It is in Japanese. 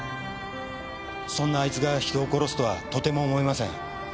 そんなあいつが人を殺すとはとても思えません。